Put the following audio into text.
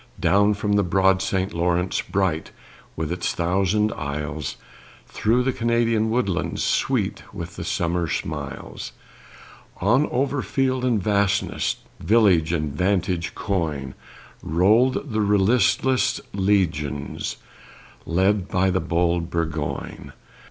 Down from the broad St. Lawrence, Bright with its thousand isles, Through the Canadian woodlands, Sweet with the summer smiles, On over field and fastness, Village and vantage coigne, Rolled the resistless legions Led by the bold Burgoyne.